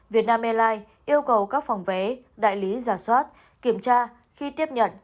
vietnam airlines yêu cầu các phòng vé đại lý giả soát kiểm tra khi tiếp nhận